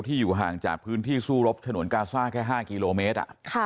อยู่ห่างจากพื้นที่สู้รบถนนกาซ่าแค่๕กิโลเมตร